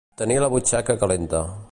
Tenir la butxaca calenta.